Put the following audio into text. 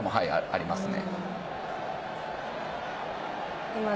ありますよね。